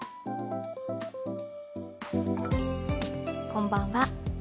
こんばんは。